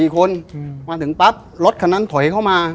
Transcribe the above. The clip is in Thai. ๔คนมาถึงปั๊บรถคันนั้นถอยเข้ามา